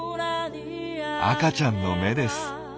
赤ちゃんの目です。